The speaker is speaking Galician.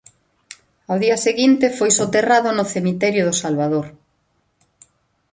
Ao día seguinte foi soterrado no cemiterio do Salvador.